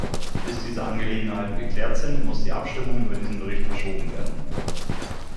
Bis diese Angelegenheiten geklärt sind, muss die Abstimmung über diesen Bericht verschoben werden.